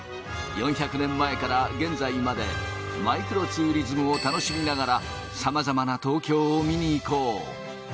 ４００年前から現在までマイクロツーリズムを楽しみながらさまざまな東京を見に行こう。